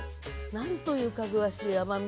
何というかぐわしい甘み